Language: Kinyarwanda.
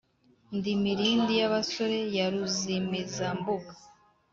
Ndi milindi y'abasore ya Ruzimizambuga